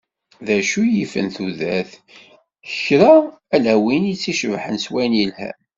D acu yifen tudert? Kra! Ala win i tt-icebḥen s wayen yelhan.